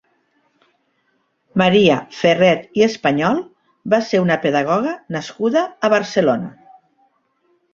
Maria Ferret i Espanyol va ser una pedagoga nascuda a Barcelona.